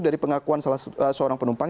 dari pengakuan seorang penumpang